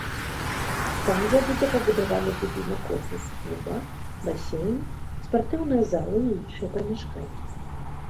Там жа будзе пабудаваны будынак офісу клуба, басейн, спартыўныя залы і іншыя памяшканні.